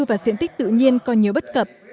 và diện tích tự nhiên còn nhiều bất cập